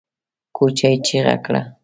کوچي چيغه کړه!